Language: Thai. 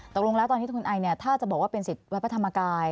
ตกลงแล้วตอนนี้คุณไอเนี่ยถ้าจะบอกว่าเป็นสิทธิ์วัดพระธรรมกาย